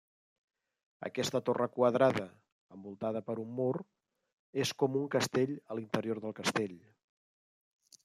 Aquesta torre quadrada, envoltada per un mur, és com un castell a l'interior del castell.